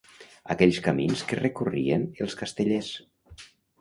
Aquells camins que recorrien els castellers